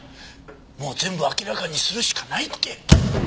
もう全部明らかにするしかないって！